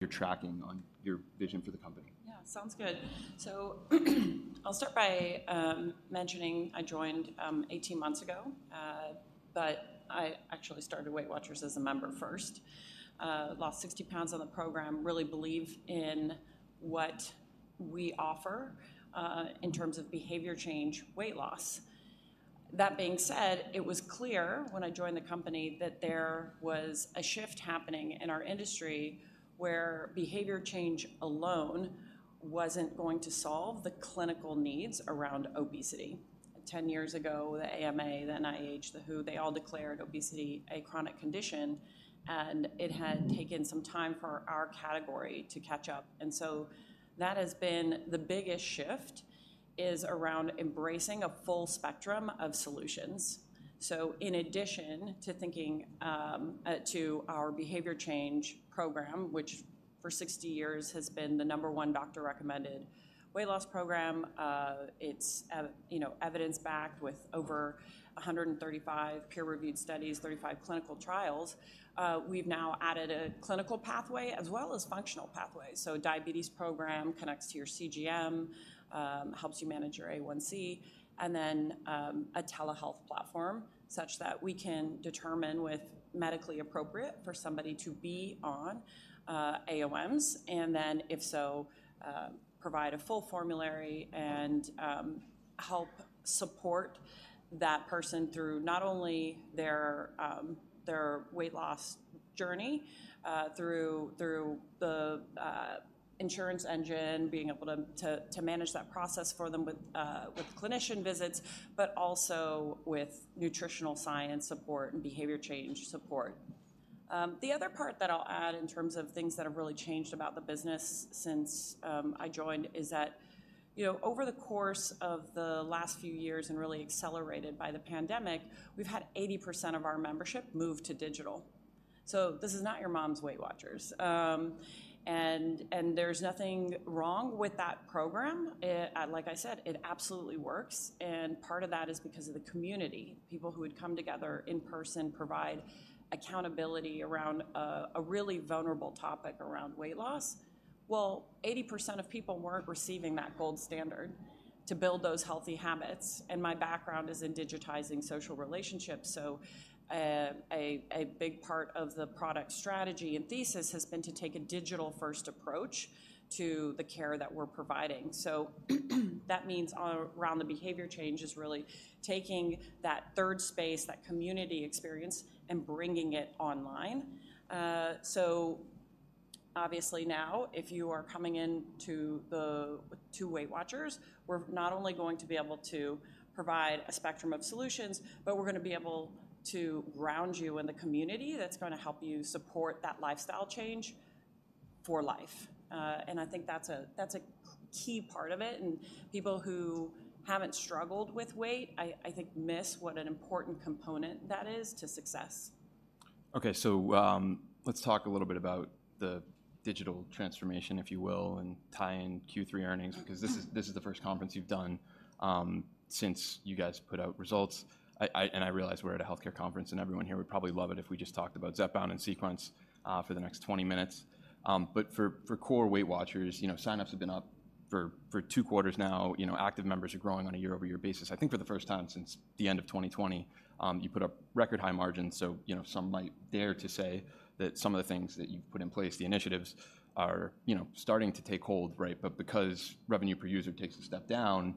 You're tracking on your vision for the company. Yeah, sounds good. So, I'll start by mentioning I joined 18 months ago. But I actually started Weight Watchers as a member first. Lost 60 pounds on the program, really believe in what we offer in terms of behavior change, weight loss. That being said, it was clear when I joined the company that there was a shift happening in our industry, where behavior change alone wasn't going to solve the clinical needs around obesity. 10 years ago, the AMA, the NIH, the WHO, they all declared obesity a chronic condition, and it had taken some time for our category to catch up, and so that has been the biggest shift, is around embracing a full spectrum of solutions. So in addition to thinking to our behavior change program, which for 60 years has been the number one doctor-recommended weight loss program. It's evidence-backed, you know, with over 135 peer-reviewed studies, 35 clinical trials. We've now added a clinical pathway as well as functional pathways. So diabetes program connects to your CGM, helps you manage your A1C, and then, a telehealth platform, such that we can determine with medically appropriate for somebody to be on AOMs. And then, if so, provide a full formulary and, help support that person through not only their, their weight loss journey, through, through the insurance engine, being able to, to, to manage that process for them with, with clinician visits, but also with nutritional science support and behavior change support. The other part that I'll add in terms of things that have really changed about the business since I joined is that, you know, over the course of the last few years and really accelerated by the pandemic, we've had 80% of our membership move to digital. So this is not your mom's Weight Watchers. And there's nothing wrong with that program. It, like I said, it absolutely works, and part of that is because of the community. People who would come together in person provide accountability around a really vulnerable topic around weight loss. Well, 80% of people weren't receiving that gold standard to build those healthy habits, and my background is in digitizing social relationships. So a big part of the product strategy and thesis has been to take a digital-first approach to the care that we're providing. So, that means around the behavior change is really taking that third space, that community experience, and bringing it online. So obviously now, if you are coming in to the... to Weight Watchers, we're not only going to be able to provide a spectrum of solutions, but we're gonna be able to ground you in the community that's gonna help you support that lifestyle change for life. And I think that's a, that's a key part of it, and people who haven't struggled with weight, I, I think, miss what an important component that is to success. Okay, so, let's talk a little bit about the digital transformation, if you will, and tie in Q3 earnings, because this is, this is the first conference you've done, since you guys put out results. And I realize we're at a healthcare conference, and everyone here would probably love it if we just talked about Zepbound and Sequence, for the next 20 minutes. But for core Weight Watchers, you know, sign-ups have been up for 2 quarters now. You know, active members are growing on a year-over-year basis, I think, for the first time since the end of 2020. You put up record-high margins, so, you know, some might dare to say that some of the things that you've put in place, the initiatives are, you know, starting to take hold, right? But because revenue per user takes a step down,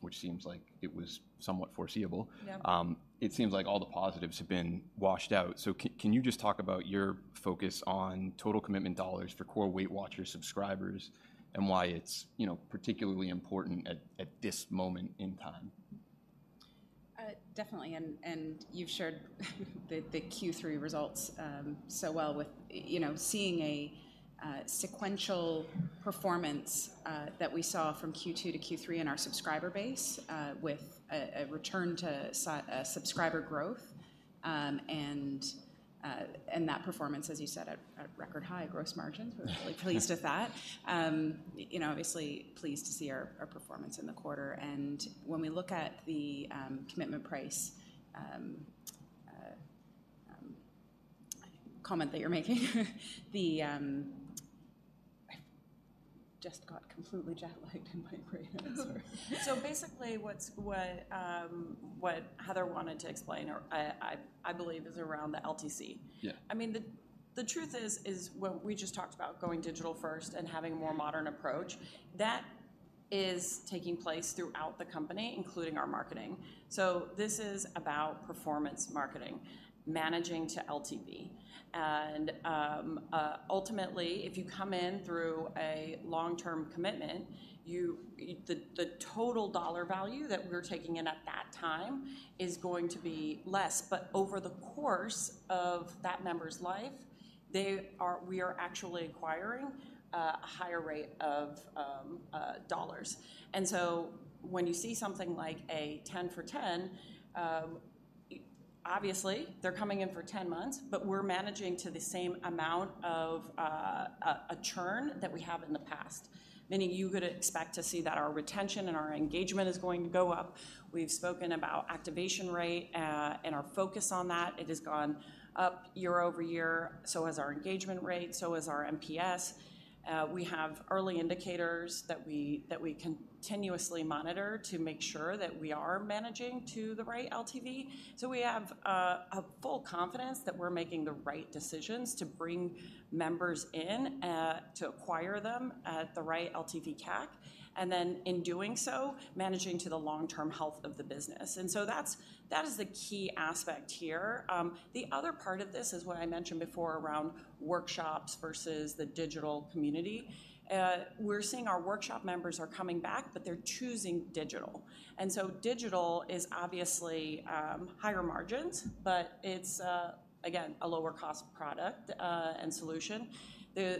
which seems like it was somewhat foreseeable- Yeah... it seems like all the positives have been washed out. So can you just talk about your focus on total commitment dollars for core Weight Watchers subscribers and why it's, you know, particularly important at this moment in time? Definitely, and you've shared the Q3 results so well with you know, seeing a sequential performance that we saw from Q2-Q3 in our subscriber base with a return to subscriber growth. And that performance, as you said, at a record-high gross margins. We're really pleased with that. You know, obviously pleased to see our performance in the quarter. And when we look at the commitment price comment that you're making, the... I've just got completely jet-lagged, and my brain is... So basically, what Heather wanted to explain, or I believe, is around the LTC. Yeah. I mean, the truth is what we just talked about, going digital first and having a more modern approach. That is taking place throughout the company, including our marketing. So this is about performance marketing, managing to LTV. And ultimately, if you come in through a long-term commitment, the total dollar value that we're taking in at that time is going to be less. But over the course of that member's life, we are actually acquiring a higher rate of dollars. And so when you see something like a 10 for 10, obviously, they're coming in for 10 months, but we're managing to the same amount of a churn that we have in the past, meaning you could expect to see that our retention and our engagement is going to go up. We've spoken about activation rate and our focus on that. It has gone up year-over-year, so has our engagement rate, so has our NPS. We have early indicators that we continuously monitor to make sure that we are managing to the right LTV. So we have a full confidence that we're making the right decisions to bring members in to acquire them at the right LTV CAC, and then in doing so, managing to the long-term health of the business. And so that's, that is the key aspect here. The other part of this is what I mentioned before around workshops versus the digital community. We're seeing our workshop members are coming back, but they're choosing digital. And so digital is obviously higher margins, but it's again, a lower cost product and solution.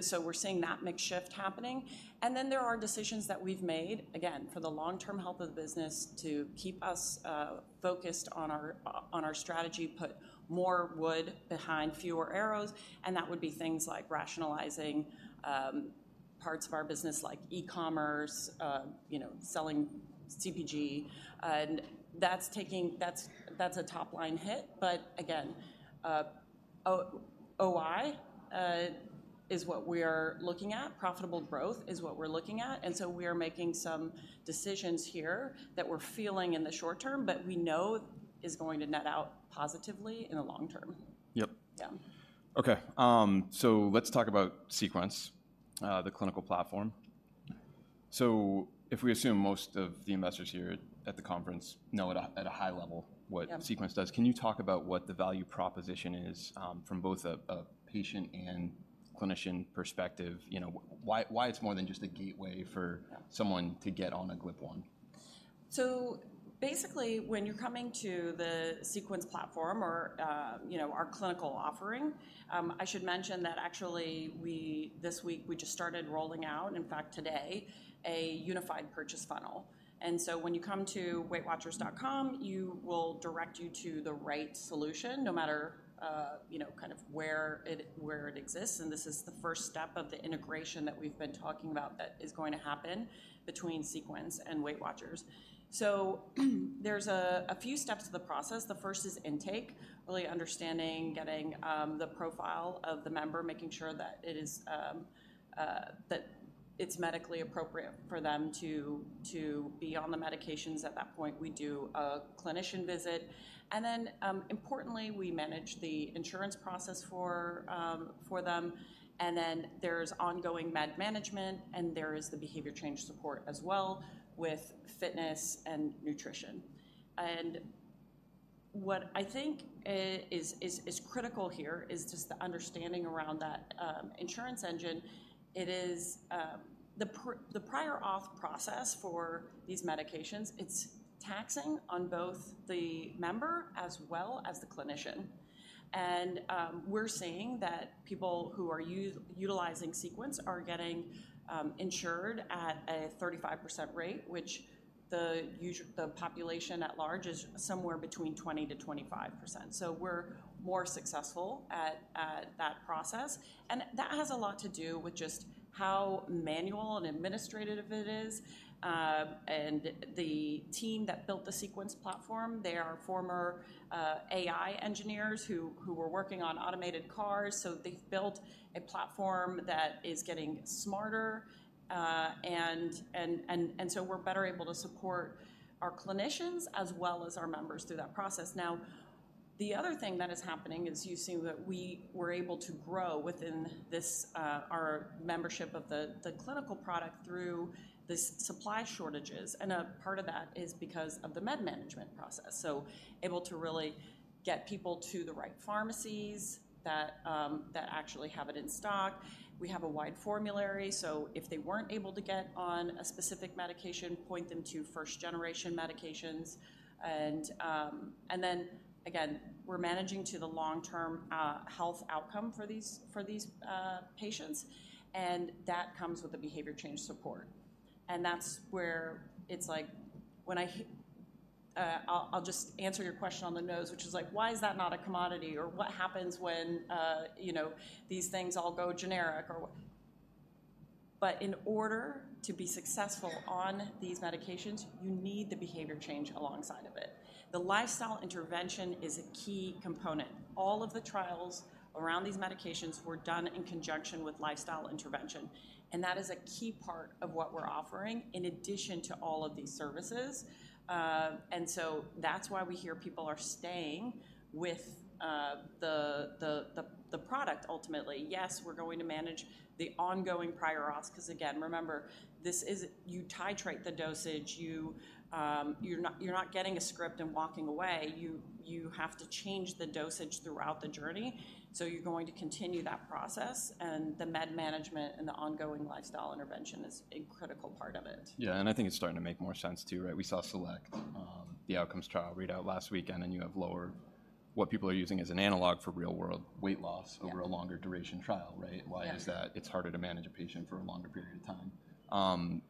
So we're seeing that mix shift happening. And then there are decisions that we've made, again, for the long-term health of the business to keep us focused on our strategy, put more wood behind fewer arrows, and that would be things like rationalizing parts of our business like e-commerce, you know, selling CPG. And that's taking a top-line hit, but again, OI is what we are looking at. Profitable growth is what we're looking at, and so we are making some decisions here that we're feeling in the short term, but we know is going to net out positively in the long term. Yep. Yeah. Okay, so let's talk about Sequence, the clinical platform. If we assume most of the investors here at the conference know at a high level what- Yeah... Sequence does, can you talk about what the value proposition is, from both a patient and clinician perspective? You know, why, why it's more than just a gateway for- Yeah... someone to get on a GLP-1? So basically, when you're coming to the Sequence platform or, you know, our clinical offering, I should mention that actually, we this week, we just started rolling out, in fact, today, a unified purchase funnel. And so when you come to WeightWatchers.com, you will direct you to the right solution no matter, you know, kind of where it, where it exists, and this is the first step of the integration that we've been talking about that is going to happen between Sequence and WeightWatchers. So there's a few steps to the process. The first is intake, really understanding, getting the profile of the member, making sure that it is that it's medically appropriate for them to be on the medications. At that point, we do a clinician visit, and then, importantly, we manage the insurance process for them, and then there's ongoing med management, and there is the behavior change support as well with fitness and nutrition. And what I think is critical here is just the understanding around that insurance engine. It is the prior auth process for these medications. It's taxing on both the member as well as the clinician. And we're seeing that people who are utilizing Sequence are getting insured at a 35% rate, which the population at large is somewhere between 20%-25%. So we're more successful at that process, and that has a lot to do with just how manual and administrative it is. And the team that built the Sequence platform, they are former AI engineers who were working on automated cars, so they've built a platform that is getting smarter, and so we're better able to support our clinicians as well as our members through that process. Now, the other thing that is happening is you see that we were able to grow within this, our membership of the clinical product through the supply shortages, and a part of that is because of the med management process. So able to really get people to the right pharmacies that actually have it in stock. We have a wide formulary, so if they weren't able to get on a specific medication, point them to first-generation medications. And then, again, we're managing to the long-term health outcome for these, for these patients, and that comes with the behavior change support. That's where it's like when I, I'll just answer your question on the nose, which is like: Why is that not a commodity? Or what happens when you know, these things all go generic, or what - But in order to be successful on these medications, you need the behavior change alongside of it. The lifestyle intervention is a key component. All of the trials around these medications were done in conjunction with lifestyle intervention, and that is a key part of what we're offering in addition to all of these services. And so that's why we hear people are staying with the, the, the, the product ultimately. Yes, we're going to manage the ongoing prior auths, 'cause again, remember, this isn't, you titrate the dosage, you, you're not, you're not getting a script and walking away. You, you have to change the dosage throughout the journey, so you're going to continue that process, and the med management and the ongoing lifestyle intervention is a critical part of it. Yeah, and I think it's starting to make more sense, too, right? We saw SELECT, the outcomes trial read out last weekend, and you have lower... What people are using as an analog for real-world weight loss- Yeah... over a longer duration trial, right? Yeah. Why is that? It's harder to manage a patient for a longer period of time.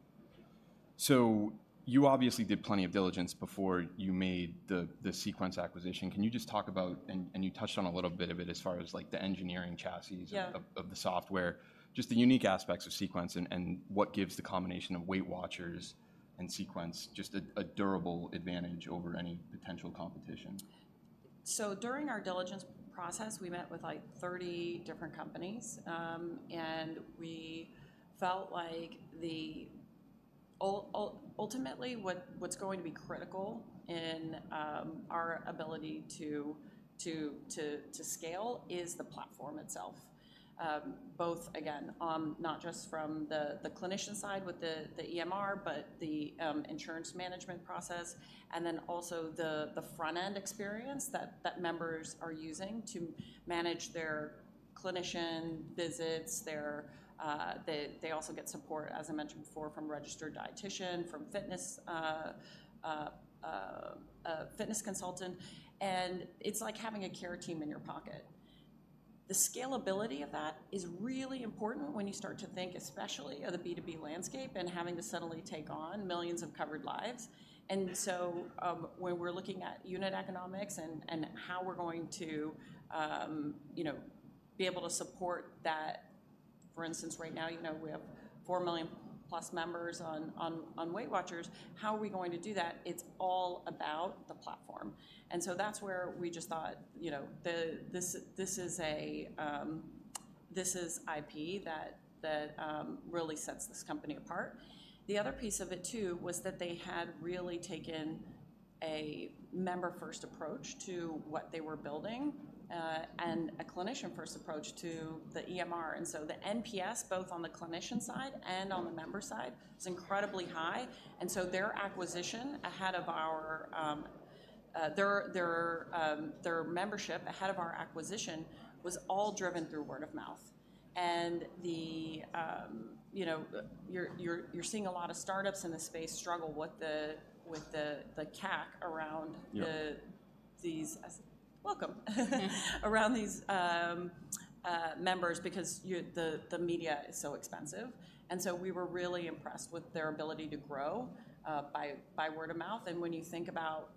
So you obviously did plenty of diligence before you made the Sequence acquisition. Can you just talk about and you touched on a little bit of it as far as, like, the engineering chassis- Yeah of the software, just the unique aspects of Sequence and what gives the combination of WeightWatchers and Sequence just a durable advantage over any potential competition? So during our diligence process, we met with, like, 30 different companies, and we felt like ultimately, what's going to be critical in our ability to scale is the platform itself. Both again, not just from the clinician side with the EMR, but the insurance management process, and then also the front-end experience that members are using to manage their clinician visits, their. They also get support, as I mentioned before, from registered dietitian, from fitness, a fitness consultant, and it's like having a care team in your pocket. The scalability of that is really important when you start to think especially of the B2B landscape and having to suddenly take on millions of covered lives. When we're looking at unit economics and how we're going to, you know, be able to support that. For instance, right now, you know, we have 4 million-plus members on Weight Watchers. How are we going to do that? It's all about the platform. That's where we just thought, you know, this is a this is IP that really sets this company apart. The other piece of it, too, was that they had really taken a member-first approach to what they were building and a clinician-first approach to the EMR. The NPS, both on the clinician side and on the member side, is incredibly high, and so their membership ahead of our acquisition was all driven through word of mouth. And, you know, you're seeing a lot of startups in the space struggle with the CAC around- Yeah Welcome. Thanks. Around these members because the media is so expensive, and so we were really impressed with their ability to grow by word of mouth. And when you think about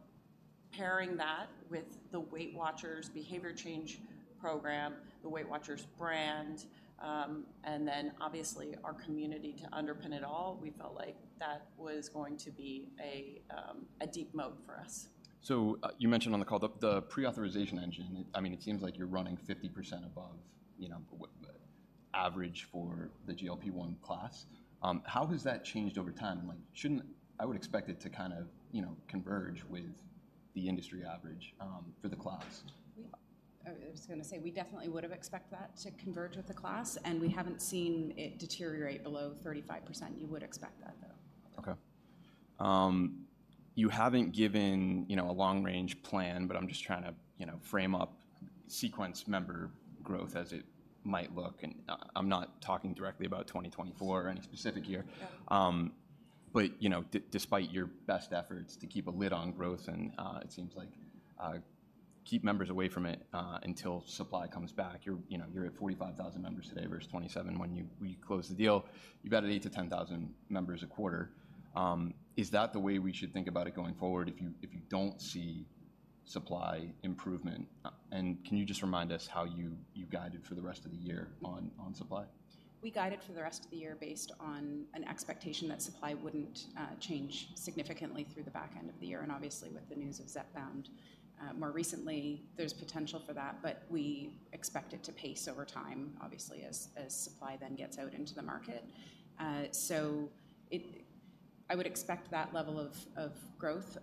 pairing that with the Weight Watchers behavior change program, the Weight Watchers brand, and then obviously our community to underpin it all, we felt like that was going to be a deep moat for us. So, you mentioned on the call the prior authorization engine. I mean, it seems like you're running 50% above, you know, what average for the GLP-1 class. How has that changed over time? Like, shouldn't I would expect it to kind of, you know, converge with the industry average for the class. We, I was gonna say, we definitely would have expected that to converge with the class, and we haven't seen it deteriorate below 35%. You would expect that, though. Okay. You haven't given, you know, a long-range plan, but I'm just trying to, you know, frame up Sequence member growth as it might look, and, I'm not talking directly about 2024 or any specific year. Yeah. But, you know, despite your best efforts to keep a lid on growth and, it seems like, keep members away from it, until supply comes back, you're, you know, you're at 45,000 members today versus 27 when we closed the deal. You've added 8,000-10,000 members a quarter. Is that the way we should think about it going forward if you, if you don't see supply improvement, and can you just remind us how you, you guided for the rest of the year on, on supply? We guided for the rest of the year based on an expectation that supply wouldn't change significantly through the back end of the year. And obviously, with the news of Zepbound more recently, there's potential for that, but we expect it to pace over time, obviously, as supply then gets out into the market. So I would expect that level of growth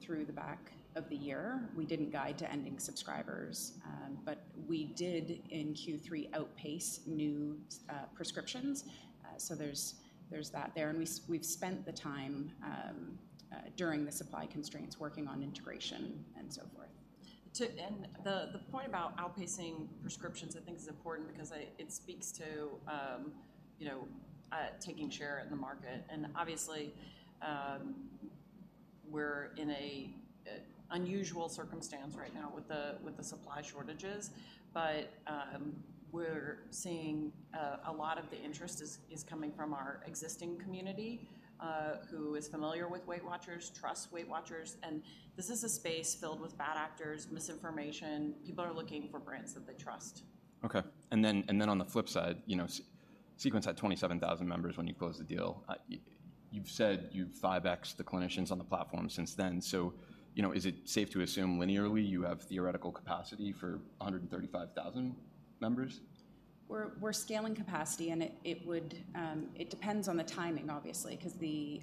through the back of the year. We didn't guide to ending subscribers, but we did, in Q3, outpace new prescriptions. So there's that there, and we've spent the time during the supply constraints, working on integration and so forth. And the point about outpacing prescriptions, I think, is important because it speaks to, you know, taking share in the market. And obviously, we're in an unusual circumstance right now... Yeah... with the supply shortages, but we're seeing a lot of the interest is coming from our existing community, who is familiar with Weight Watchers, trusts Weight Watchers. And this is a space filled with bad actors, misinformation. People are looking for brands that they trust. Okay. And then on the flip side, you know, Sequence had 27,000 members when you closed the deal. You've said you've 5X'd the clinicians on the platform since then. So, you know, is it safe to assume linearly you have theoretical capacity for 135,000 members? We're scaling capacity, and it would. It depends on the timing, obviously, 'cause the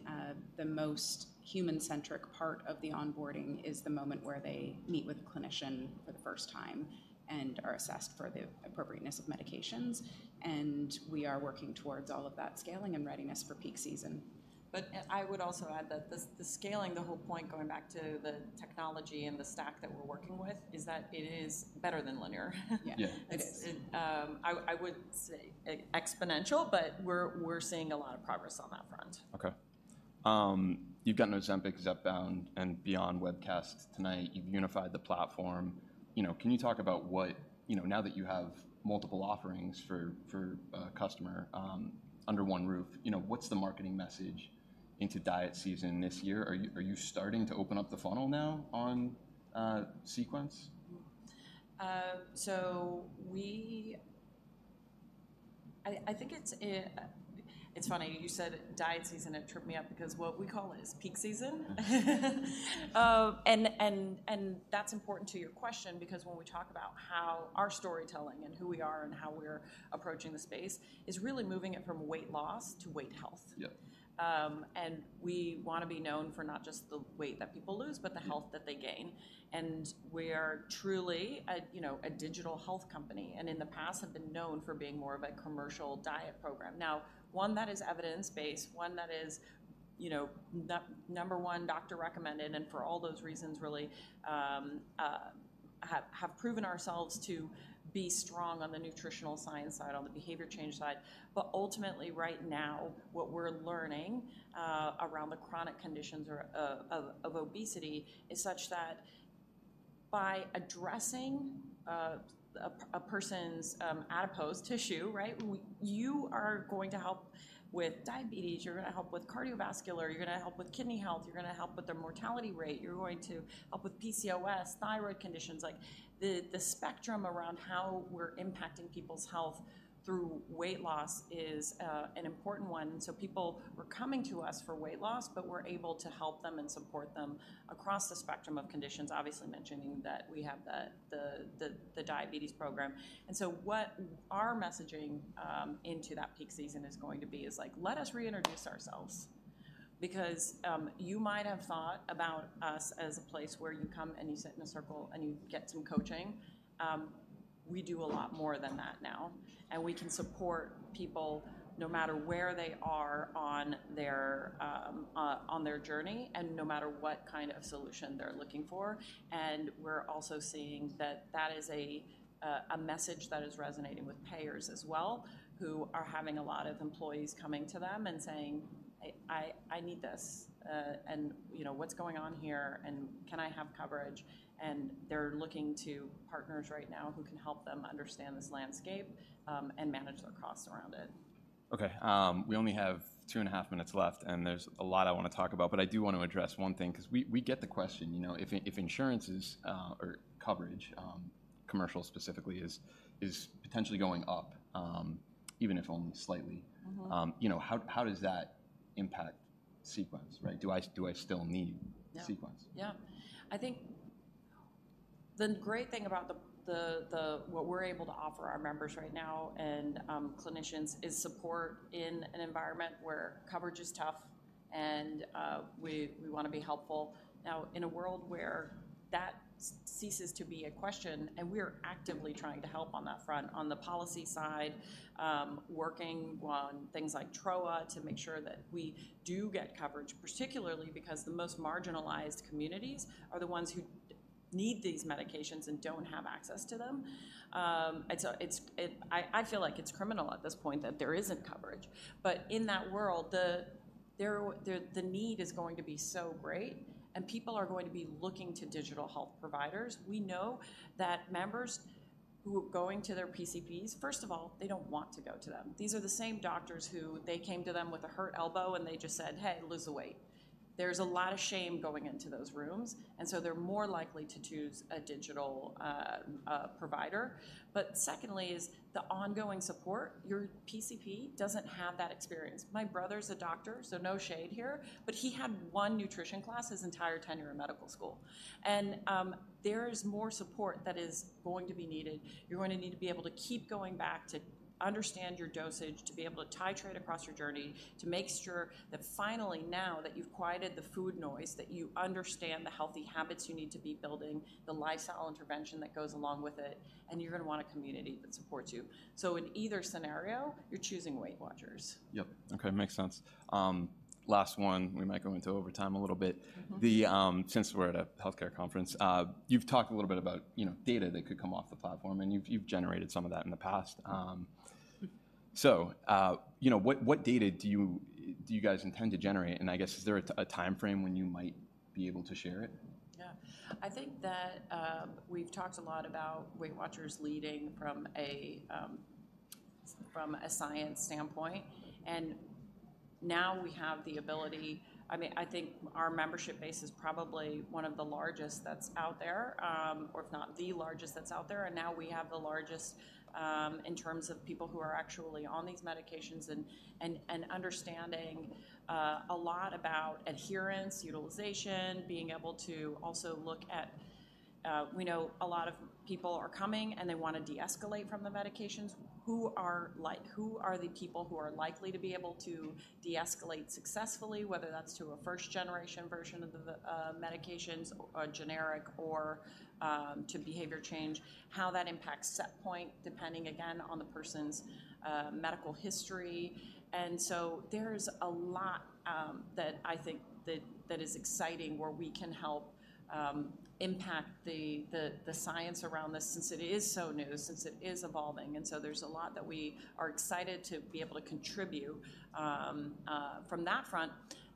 most human-centric part of the onboarding is the moment where they meet with a clinician for the first time and are assessed for the appropriateness of medications. And we are working towards all of that scaling and readiness for peak season. But, I would also add that the scaling, the whole point, going back to the technology and the stack that we're working with, is that it is better than linear. Yeah. Yeah. It's, I would say, exponential, but we're seeing a lot of progress on that front. Okay. You've got an Ozempic, Zepbound, and beyond webcasts tonight. You've unified the platform. You know, can you talk about what... You know, now that you have multiple offerings for a customer under one roof. You know, what's the marketing message into diet season this year? Are you starting to open up the funnel now on Sequence? So I think it's funny, you said diet season. It tripped me up because what we call it is peak season. And that's important to your question because when we talk about how our storytelling and who we are and how we're approaching the space, is really moving it from weight loss to weight health. Yeah. We wanna be known for not just the weight that people lose, but the health- Yeah - that they gain. And we are truly a, you know, a digital health company, and in the past have been known for being more of a commercial diet program. Now, one that is evidence-based, one that is, you know, number one doctor recommended, and for all those reasons, really, have proven ourselves to be strong on the nutritional science side, on the behavior change side. But ultimately, right now, what we're learning around the chronic conditions of obesity is such that by addressing a person's adipose tissue, right? You are going to help with diabetes, you're gonna help with cardiovascular, you're gonna help with kidney health, you're going to help with the mortality rate, you're going to help with PCOS, thyroid conditions. Like, the spectrum around how we're impacting people's health through weight loss is an important one. And so people were coming to us for weight loss, but we're able to help them and support them across the spectrum of conditions, obviously mentioning that we have the diabetes program. And so what our messaging into that peak season is going to be is like: Let us reintroduce ourselves because you might have thought about us as a place where you come, and you sit in a circle, and you get some coaching. We do a lot more than that now, and we can support people no matter where they are on their journey and no matter what kind of solution they're looking for. And we're also seeing that that is a message that is resonating with payers as well, who are having a lot of employees coming to them and saying, "I need this," and, "You know, what's going on here, and can I have coverage?" And they're looking to partners right now who can help them understand this landscape, and manage their costs around it. Okay, we only have 2.5 minutes left, and there's a lot I want to talk about. But I do want to address one thing 'cause we get the question, you know, if insurances or coverage, commercial specifically, is potentially going up, even if only slightly- Mm-hmm... you know, how does that impact Sequence, right? Do I still need- Yeah - Sequence? Yeah. I think the great thing about what we're able to offer our members right now and clinicians is support in an environment where coverage is tough, and we wanna be helpful. Now, in a world where that ceases to be a question, and we are actively trying to help on that front, on the policy side, working on things like TROA to make sure that we do get coverage, particularly because the most marginalized communities are the ones who need these medications and don't have access to them. And so it's I feel like it's criminal at this point that there isn't coverage. But in that world, the need is going to be so great, and people are going to be looking to digital health providers. We know that members who are going to their PCPs, first of all, they don't want to go to them. These are the same doctors who, they came to them with a hurt elbow, and they just said: "Hey, lose the weight." There's a lot of shame going into those rooms, and so they're more likely to choose a digital provider. But secondly, is the ongoing support. Your PCP doesn't have that experience. My brother's a doctor, so no shade here, but he had one nutrition class his entire tenure in medical school. And there is more support that is going to be needed. You're going to need to be able to keep going back to understand your dosage, to be able to titrate across your journey, to make sure that finally now that you've quieted the food noise, that you understand the healthy habits you need to be building, the lifestyle intervention that goes along with it, and you're gonna want a community that supports you. So in either scenario, you're choosing Weight Watchers. Yep, okay, makes sense. Last one, we might go into overtime a little bit. Mm-hmm. Since we're at a healthcare conference, you've talked a little bit about, you know, data that could come off the platform, and you've generated some of that in the past. So, you know, what data do you guys intend to generate? And I guess is there a timeframe when you might be able to share it? Yeah. I think that we've talked a lot about Weight Watchers leading from a science standpoint, and now we have the ability—I mean, I think our membership base is probably one of the largest that's out there, or if not the largest that's out there. And now we have the largest in terms of people who are actually on these medications and understanding a lot about adherence, utilization, being able to also look at. We know a lot of people are coming, and they wanna de-escalate from the medications. Who are like—Who are the people who are likely to be able to de-escalate successfully, whether that's to a first-generation version of the medications, a generic or to behavior change? How that impacts set point, depending, again, on the person's medical history. There's a lot that I think that is exciting, where we can help impact the science around this, since it is so new, since it is evolving. There's a lot that we are excited to be able to contribute from that front.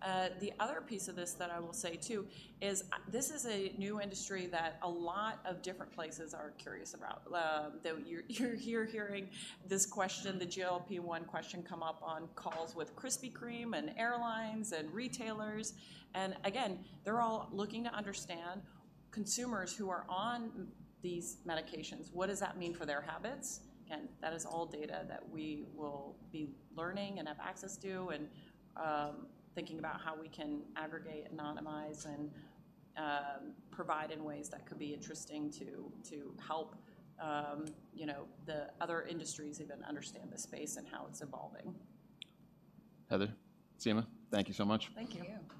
The other piece of this that I will say, too, is this is a new industry that a lot of different places are curious about. That you're here hearing this question, the GLP-1 question, come up on calls with Krispy Kreme and airlines and retailers, and again, they're all looking to understand consumers who are on these medications. What does that mean for their habits? And that is all data that we will be learning and have access to and thinking about how we can aggregate, anonymize, and provide in ways that could be interesting to help you know the other industries even understand the space and how it's evolving. Heather, Sima, thank you so much. Thank you.